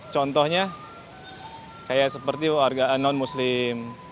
contohnya kayak seperti warga non muslim